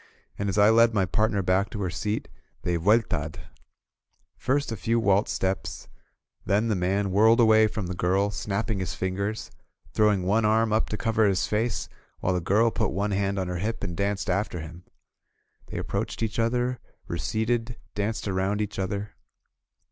And as I led my partner back to her seat, they vuelta*d. First a few waltz steps, — then the man whirled away from the girl, snapping his fingers, throwing one arm up to cover his face, while the girl 48 .WHITE NIGHTS AT ZARCA put one hand on her hip and danced after him. They approached each other, receded, danced around each other.